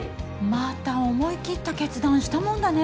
また思い切った決断したもんだね。